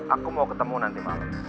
aku mau ketemu nanti malam